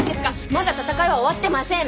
まだ闘いは終わってません。